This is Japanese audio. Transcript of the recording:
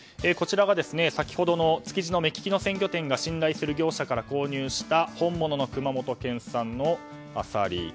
こちらが先ほどの築地の目利きの鮮魚店が信頼する業者から購入した本物の熊本県産のアサリ。